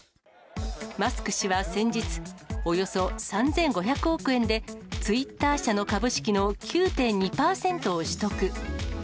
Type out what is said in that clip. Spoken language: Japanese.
マスク氏は先日、およそ３５００億円で、ツイッター社の株式の９．２％を取得。